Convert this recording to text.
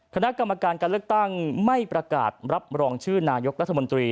คณะกรรมการการเลือกตั้งไม่ประกาศรับรองชื่อนายกรัฐมนตรี